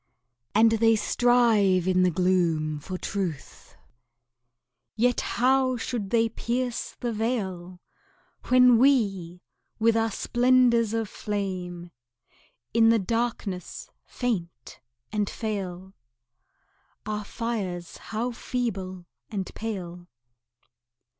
And they strive in the gloom for truth Yet how should they pierce the veil, When we, with our splendors of flame, In the darkness faint and fail, Our fires how feeble and pale!